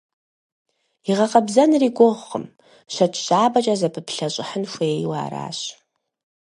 И гъэкъэбзэнри гугъукъым: щэкӏ щабэкӏэ зэпыплъэщӏыхьын хуейуэ аращ.